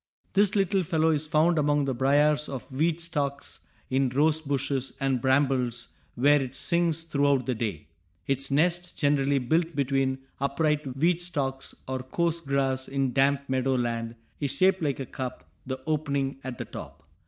This little fellow is found among the briars or weed stalks, in rose bushes and brambles, where it sings throughout the day. Its nest, generally built between upright weed stalks or coarse grass in damp meadow land, is shaped like a cup, the opening at the top.